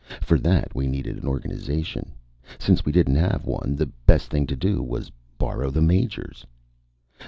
For that we needed an organization. Since we didn't have one, the best thing to do was borrow the Major's.